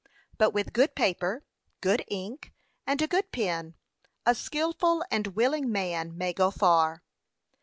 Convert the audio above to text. But with good paper, good ink, and a good pen, a skilful and willing man may go far.'